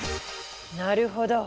なるほど！